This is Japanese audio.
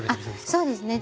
そうですね。